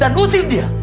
dan usir dia